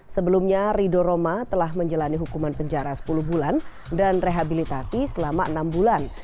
sebelumnya rido roma telah menjalani hukuman penjara sepuluh bulan dan rehabilitasi selama enam bulan